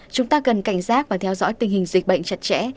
chúng ta cần cảnh giác và theo dõi tình hình dịch bệnh chặt chẽ